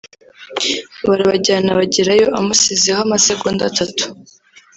barajyana bagerayo amusizeho amasegonda atatu